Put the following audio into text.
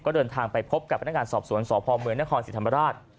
ก็เดินทางไปพบกับพนักการณ์สอบสวนสพมนครสิรธรรมราช